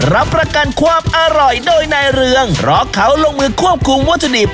รับประกันความอร่อยโดยนายเรืองเพราะเขาลงมือควบคุมวัตถุดิบ